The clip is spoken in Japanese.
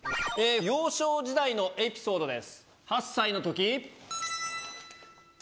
幼少時代のエピソードです。